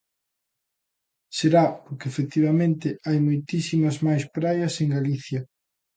Será porque, efectivamente, hai moitísimas máis praias en Galicia.